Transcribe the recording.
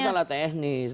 itu masalah teknis